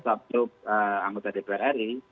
untuk anggota dpr ri